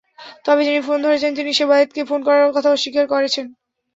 তবে যিনি ফোন ধরেছেন, তিনি সেবায়েতকে ফোন করার কথা অস্বীকার করেছেন।